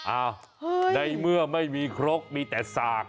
อ้าวในเมื่อไม่มีครกมีแต่สาก